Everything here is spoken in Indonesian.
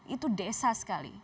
itu desa sekali